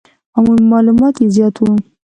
عمومي معلومات یې زیات وو.